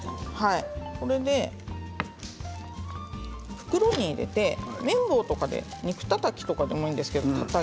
これで袋に入れて麺棒とかで肉たたきとかでもいいんですけど。